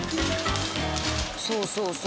そうそうそう。